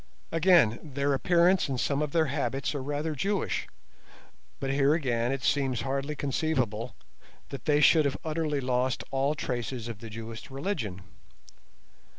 Again, their appearance and some of their habits are rather Jewish; but here again it seems hardly conceivable that they should have utterly lost all traces of the Jewish religion.